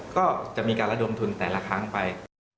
ก็จะมีการระดมทุนแต่ละครั้งไป